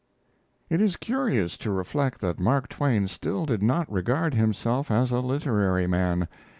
It is curious to reflect that Mark Twain still did not regard himself as a literary man.